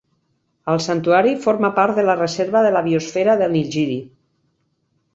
El santuari forma part de la reserva de la biosfera de Nilgiri.